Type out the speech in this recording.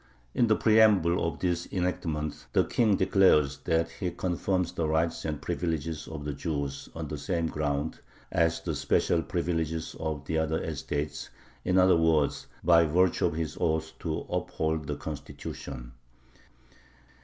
In the preamble of this enactment the King declares that he confirms the rights and privileges of the Jews on the same grounds as the special privileges of the other estates, in other words, by virtue of his oath to uphold the constitution.